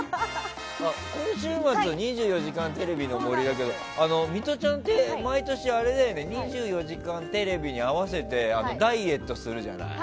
今週末「２４時間テレビ」の森だけどミトちゃんって毎年「２４時間テレビ」に合わせてダイエットするじゃない。